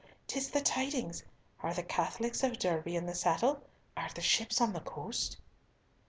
'Tis the tidings! Are the Catholics of Derby in the saddle? Are the ships on the coast?"